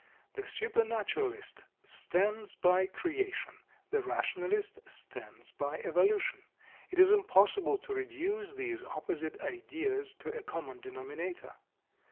The supernaturalist stands by "creation"; the rationalist stands by "evolution." It is impossible to reduce these opposite ideas to a common denominator.